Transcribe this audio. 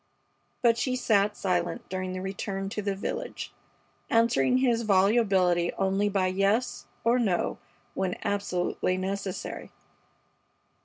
But she sat silent during the return to the village, answering his volubility only by yes or no when absolutely necessary.